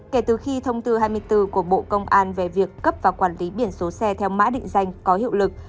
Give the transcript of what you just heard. kể từ khi thông tư hai mươi bốn của bộ công an về việc cấp và quản lý biển số xe theo mã định danh có hiệu lực